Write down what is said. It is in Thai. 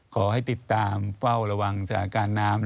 ขอให้ติดตามเฝ้าระวังสถานการณ์น้ำ